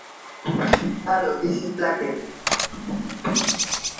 It came so quickly.